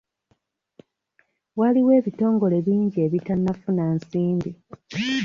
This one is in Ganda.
Waliwo ebitongole bingi ebitannafuna nsimbi.